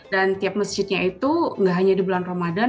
dan tiap masjidnya itu gak hanya di bulan ramadhan